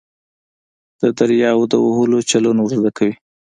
د دریاوو د وهلو چلونه ور زده کوي.